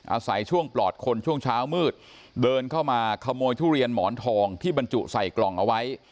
อาศัยช่วงปลอดคนช่วงเช้ามืดเดินเข้ามาขโมยทุเรียนหมอนทองที่บรรจุใส่กล่องเอาไว้